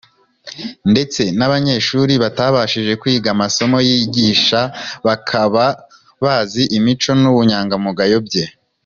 ndetse n’abanyeshuri batabashije kwiga amasomo yigisha bakaba bazi imico n’ubunyangamugayo bye